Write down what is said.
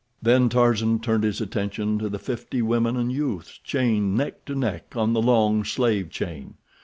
Then Tarzan turned his attention to the fifty women and youths chained neck to neck on the long slave chain.